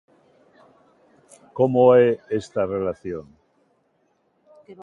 Como é esta relación?